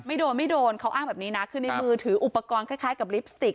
โดนไม่โดนเขาอ้างแบบนี้นะคือในมือถืออุปกรณ์คล้ายกับลิปสติก